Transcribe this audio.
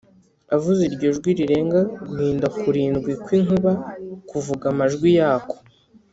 avuze iryo jwi rirenga guhinda kurindwi kw’inkuba kuvuga amajwi yako.